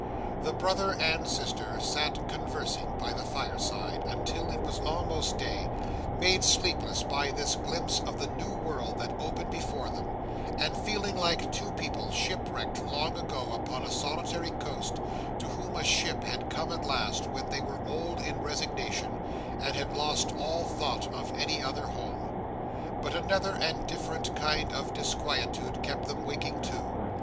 The brother and sister sat conversing by the fireside, until it was almost day; made sleepless by this glimpse of the new world that opened before them, and feeling like two people shipwrecked long ago, upon a solitary coast, to whom a ship had come at last, when they were old in resignation, and had lost all thought of any other home. But another and different kind of disquietude kept them waking too.